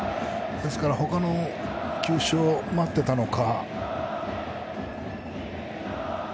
ほかの球種を待っていたのか。